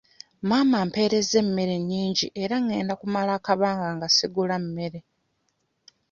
Maama amperezza emmere nnyingi era ngenda kumala akabanga nga sigula mmere.